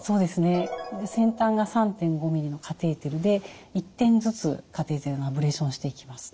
先端が３．５ミリのカテーテルで１点ずつカテーテルのアブレーションをしていきます。